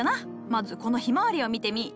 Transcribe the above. まずこのヒマワリを見てみい。